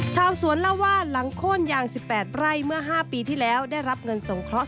ชาวสวนเล่าว่าหลังโค้นยาง๑๘ไร่เมื่อ๕ปีที่แล้วได้รับเงินสงเคราะห